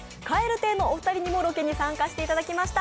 蛙亭のお二人にもロケに参加していただきました。